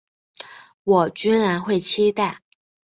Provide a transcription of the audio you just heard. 我居然会期待